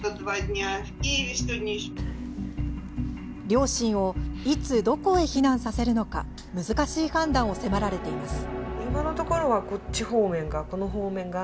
両親をいつ、どこへ避難させるのか難しい判断を迫られています。